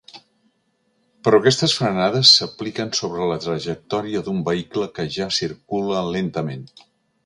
Però aquestes frenades s'apliquen sobre la trajectòria d'un vehicle que ja circula lentament.